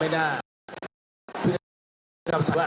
นะครับ